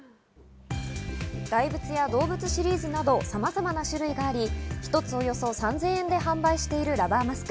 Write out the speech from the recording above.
大仏や動物シリーズなど様々な種類があり、１つおよそ３０００円で販売しているラバーマスク。